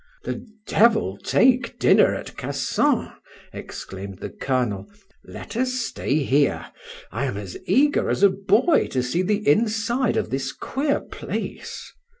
"The devil take dinner at Cassan!" exclaimed the Colonel; "let us stay here. I am as eager as a boy to see the inside of this queer place.